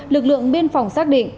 lực lượng biên phòng xác định